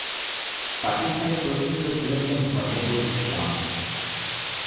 পাকিস্তানে প্রচলিত বৃহত্তম ধর্ম হল ইসলাম।